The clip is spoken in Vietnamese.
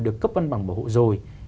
được cấp văn bằng bảo hộ rồi